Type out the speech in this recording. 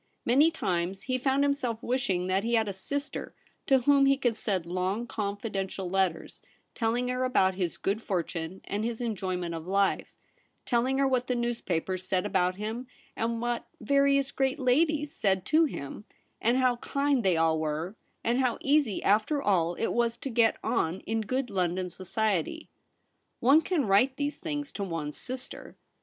Many times he found himself wishing that he had a sister to whom he could send lono^ con fidential letters telling her about his good fortune and his enjoyment of life ; telling her what the newspapers said about him, and what various great ladies said to him, and how kind they all were, and how easy after all it was to get on in good London society. One can write these things to one's sister.